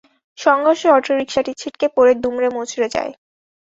সংঘর্ষে অটোরিকশাটি ছিটকে পড়ে দুমড়ে মুচড়ে যায়।